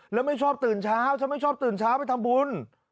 แล้วไม่ชอบตื่นเช้าฉันไม่ชอบตื่นเช้าไปทำบุญ